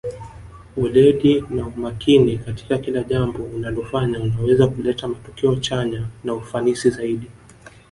weledi na umakini katika kila jambo unalofanya unaweza kuleta matokeo chanya na ufanisi zaidi